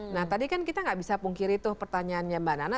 nah tadi kan kita nggak bisa pungkiri tuh pertanyaannya mbak nana